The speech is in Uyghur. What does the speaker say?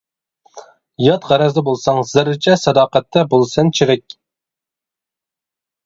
يات غەرەزدە بولساڭ زەررىچە، ساداقەتتە بولىسەن چىرىك.